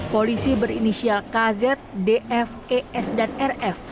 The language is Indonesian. polisi berinisial kz df es dan rf